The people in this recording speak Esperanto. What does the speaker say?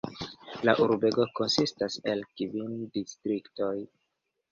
La urbego konsistas el kvin distriktoj.